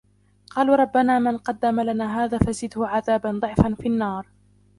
قالوا ربنا من قدم لنا هذا فزده عذابا ضعفا في النار